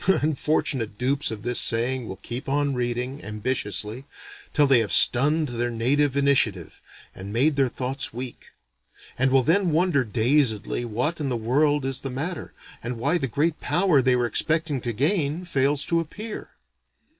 Unfortunate dupes of this saying will keep on reading, ambitiously, till they have stunned their native initiative, and made their thoughts weak; and will then wonder dazedly what in the world is the matter, and why the great power they were expecting to gain fails to appear.